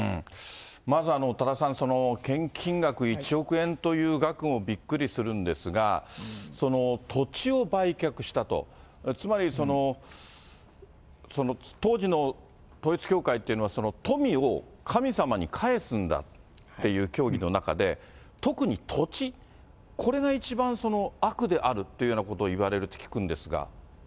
まず多田さん、献金額１億円という額もびっくりするんですが、土地を売却したと、つまり、当時の統一教会っていうのは、富を神様に返すんだっていう教義の中で、特に土地、これが一番悪であるというようなことを言われるって聞くんですが。